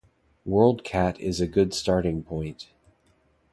WorldCat is a good starting point.